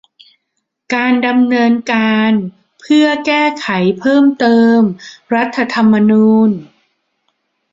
การดำเนินการเพื่อแก้ไขเพิ่มเติมรัฐธรรมนูญ